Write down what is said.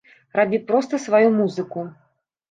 Рабі проста сваю музыку!